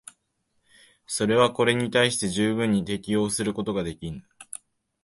それはこれに対して十分に適応することができぬ。